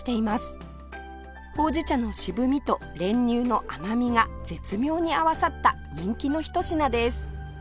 ほうじ茶の渋みと練乳の甘みが絶妙に合わさった人気のひと品です